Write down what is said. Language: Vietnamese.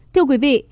thưa quý vị